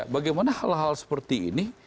bagaimana hal hal seperti ini